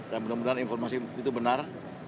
dan mudah mudahan informasi itu benar